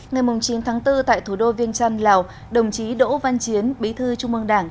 ngày chín tháng bốn tại thủ đô viên trăn lào đồng chí đỗ văn chiến bí thư trung mương đảng